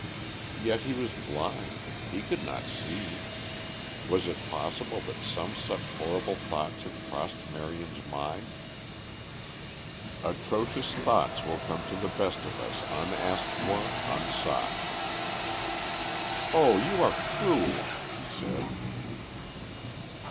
Yet he was blind; he could not see. Was it possible that some such horrible thoughts had crossed Marion's mind? Atrocious thoughts will come to the best of us unasked for, unsought. "Oh, you are cruel!" she said.